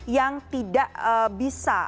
yang tidak bisa